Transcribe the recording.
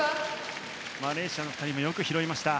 マレーシアの２人もよく拾いました。